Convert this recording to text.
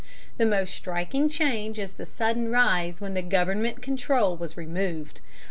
The most striking change is the sudden rise when the Government control was removed.